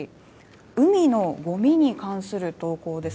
海のごみに関する投稿です。